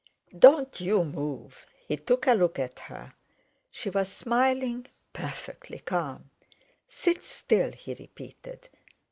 "Don't you move!" He took a look at her. She was smiling, perfectly calm. "Sit still," he repeated.